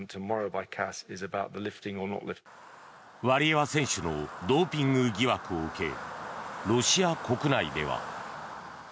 ワリエワ選手のドーピング疑惑を受けロシア国内では。